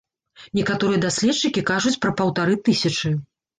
Некаторыя даследчыкі кажуць пра паўтары тысячы.